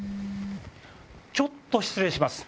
ちょっと失礼します。